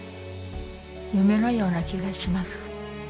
夢のような気がします。